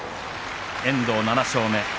遠藤、７勝目。